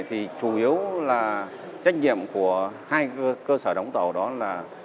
thì chủ yếu là trách nhiệm của hai cơ sở đóng tàu đó là